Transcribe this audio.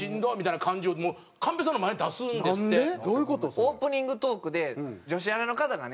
オープニングトークで女子アナの方がね